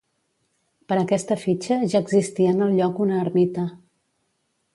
Per aquesta fitxa ja existia en el lloc una ermita.